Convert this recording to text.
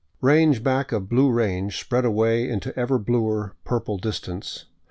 Range back of blue range spread away into ever bluer, purple distance.